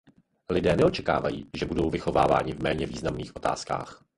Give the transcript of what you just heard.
Lidé neočekávají, že budou vychováváni v méně významných otázkách.